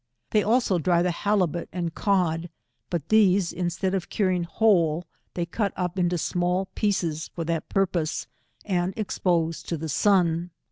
They also dry the halibut and cod, but these in* stead of curing whole, they cut up into small pieces for that purpose, and expose to the sun.